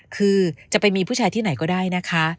คือจะไปมีผู้ชายที่ไหนก็ได้นะคะ